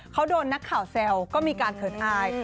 เขาโดนนักข่าวแซวก็มีการเขินอาย